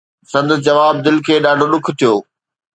سندس جواب دل کي ڏاڍو ڏک ٿيو